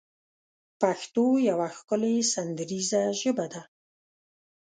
پښتو يوه ښکلې سندريزه ژبه ده